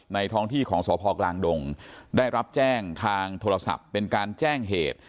ท้องที่ของสพกลางดงได้รับแจ้งทางโทรศัพท์เป็นการแจ้งเหตุ